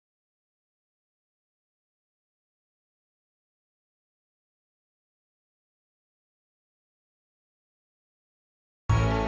pusang lah pusang lah